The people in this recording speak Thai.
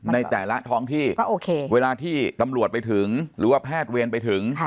ในแต่ละท้องที่เวลาที่ตำรวจไปถึงหรือว่าแพทย์เวรไปถึง